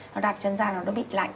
nó đạp chân ra nó bị lạnh